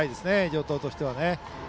城東としては。